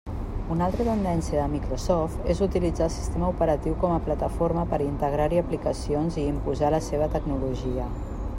Una altra tendència de Microsoft és utilitzar el sistema operatiu com a plataforma per integrar-hi aplicacions i imposar la seva tecnologia.